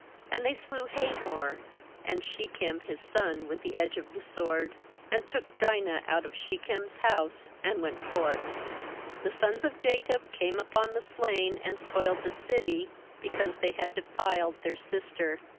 28And they slew Hamor and Shechem his son with the edge of the sword, and took Dinah out of Shechem's house, and went forth. 27The sons of Jacob came upon the slain, and spoiled the city, because they had defiled their sister.